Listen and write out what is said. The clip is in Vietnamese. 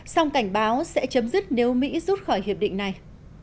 song cảnh báo sẽ chấm dứt nếu mỹ rút khỏi hiệp định này